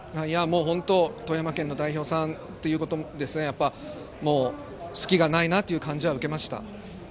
本当に富山県の代表さんということで隙がないなという感じは受けました。